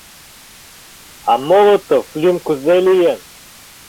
— А Молотов лӱм кузе лийын?